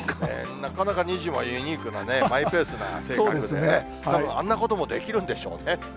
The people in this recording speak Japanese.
なかなか、にじモはユニークな、マイペースな性格で、あんなこともできるんでしょうね。